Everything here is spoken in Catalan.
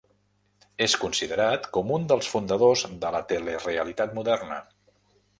És considerat com un dels fundadors de la telerealitat moderna.